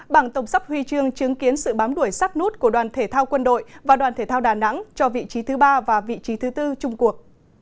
bảng tổng sắp huy chương chứng kiến sự bám đuổi sát nút của đoàn thể thao quân đội và đoàn thể thao đà nẵng cho vị trí thứ ba và vị trí thứ tư trung quốc